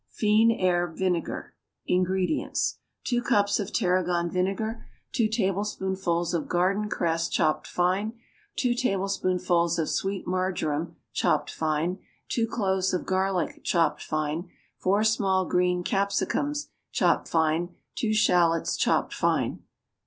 =Fines Herbes Vinegar.= INGREDIENTS. 2 cups of tarragon vinegar. 2 tablespoonfuls of garden cress, chopped fine. 2 tablespoonfuls of sweet marjoram, chopped fine. 2 cloves of garlic, chopped fine. 4 small green capsicums, chopped fine. 2 shallots, chopped fine.